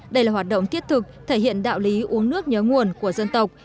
đây là hoạt động thiết thực thể hiện đạo lý uống nước nhớ nguồn của dân tộc